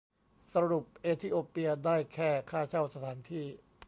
สรุปเอธิโอเปียได้แค่ค่าเช่าสถานที่